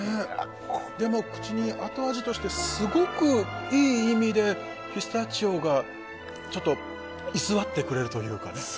でも口に後味としてすごくいい意味でピスタチオが居座ってくれるというかね。